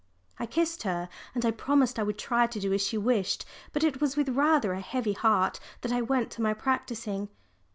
I kissed her and I promised I would try to do as she wished. But it was with rather a heavy heart that I went to my practising.